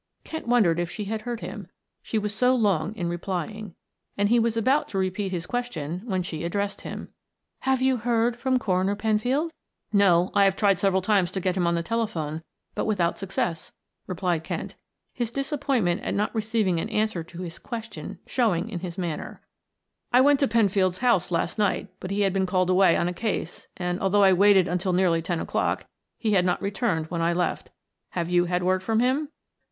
Kent wondered if she had heard him, she was so long in replying, and he was about to repeat his question when she addressed him. "Have you heard from Coroner Penfield?" "No. I tried several times to get him on the telephone, but without success," replied Kent; his disappointment at not receiving an answer to his question showed in his manner. "I went to Penfield's house last night, but he had been called away on a case and, although I waited until nearly ten o'clock, he had not returned when I left. Have you had word from him?"